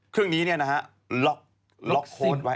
เครื่องนี้ล็อกโค้ดไว้